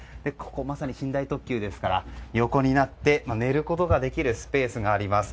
まさに寝台特急ですから横になって寝ることができるスペースがあります。